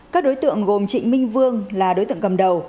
các đối tượng gồm trịnh minh vương là đối tượng cầm đầu